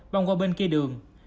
bằng qua bên kia đường